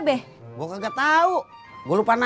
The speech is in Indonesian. tusuk angkot untuk berhenti